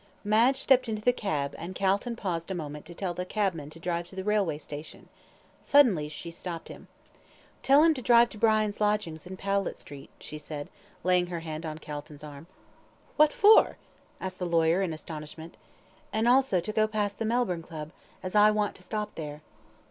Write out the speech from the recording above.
Madge stepped into the cab, and Calton paused a moment to tell the cabman to drive to the railway station. Suddenly she stopped him. "Tell him to drive to Brian's lodgings in Powlett Street," she said, laying her hand on Calton's arm. "What for?" asked the lawyer, in astonishment. "And also to go past the Melbourne Club, as I want to stop there."